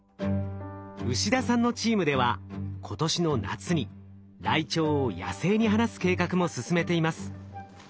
牛田さんのチームでは今年の夏にライチョウを野生に放す計画も進めています。